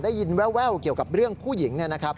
ได้ยินแววเกี่ยวกับเรื่องผู้หญิง